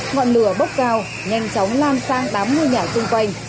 ngọn lửa bốc cao nhanh chóng lan sang tám ngôi nhà xung quanh